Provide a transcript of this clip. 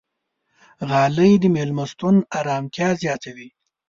غالۍ د میلمستون ارامتیا زیاتوي.